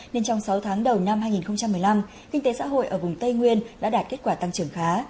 nên trong sáu tháng đầu năm hai nghìn một mươi năm kinh tế xã hội ở vùng tây nguyên đã đạt kết quả tăng trưởng khá